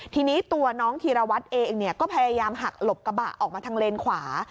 ทีนี้ตัวน้องธีรวัตรเองก็พยายามหักหลบกระบะออกมาทางเลนขวา